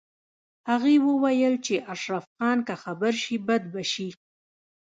هغې وویل چې اشرف خان که خبر شي بد به شي